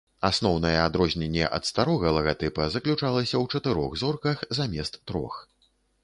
Асноўнае адрозненне ад старога лагатыпа заключалася ў чатырох зорках замест трох.